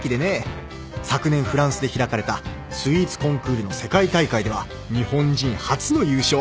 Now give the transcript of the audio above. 昨年フランスで開かれたスイーツコンクールの世界大会では日本人初の優勝。